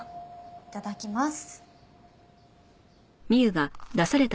いただきます。